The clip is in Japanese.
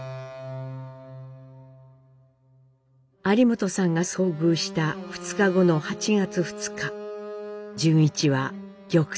有元さんが遭遇した２日後の８月２日潤一は「玉砕」。